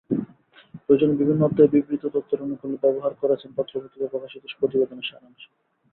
প্রয়োজনে বিভিন্ন অধ্যায়ে বিবৃত তথ্যের অনুকূলে ব্যবহার করেছেন পত্রপত্রিকায় প্রকাশিত প্রতিবেদনের সারাংশ।